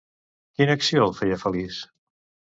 Quina acció el feia feliç?